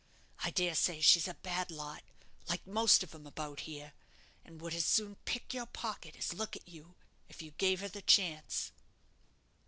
I dare say she's a bad lot, like most of 'em about here, and would as soon pick your pocket as look at you, if you gave her the chance."